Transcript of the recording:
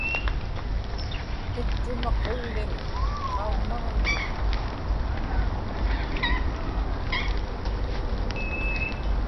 piktuma qullim qaummaġniŋa